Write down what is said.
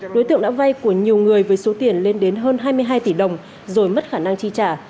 đối tượng đã vay của nhiều người với số tiền lên đến hơn hai mươi hai tỷ đồng rồi mất khả năng chi trả